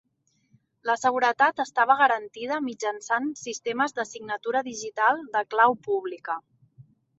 La seguretat estava garantida mitjançant sistemes de signatura digital de clau pública.